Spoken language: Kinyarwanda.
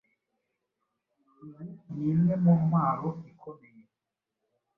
Iyi ni imwe mu ntwaro ikomeye